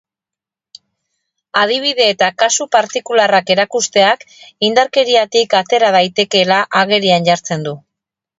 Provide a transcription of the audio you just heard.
Adibide eta kasu partikularrak erakusteak indarkeriatik atera daitekeela agerian jartzen du.